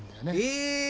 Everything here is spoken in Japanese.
え！